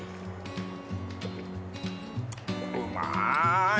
うまい。